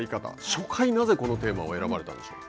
初回、なぜこのテーマを選ばれたのでしょう？